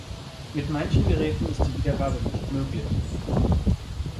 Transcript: Mit manchen Geräten ist die Wiedergabe nicht möglich.